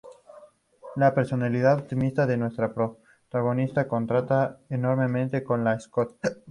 La personalidad optimista de nuestra protagonista contrasta enormemente con la de Scott.